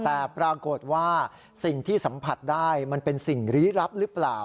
แต่ปรากฏว่าสิ่งที่สัมผัสได้มันเป็นสิ่งลี้ลับหรือเปล่า